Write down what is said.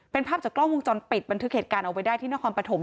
เป็นภาพจากกล้องวงจรปิดบันทึกเหตุการณ์เอาไว้ได้ที่นครปฐม